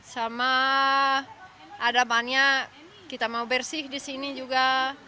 sama ada banyak kita mau bersih di sini juga